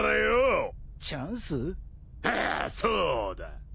ああそうだ。